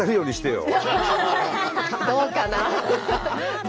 どうかな？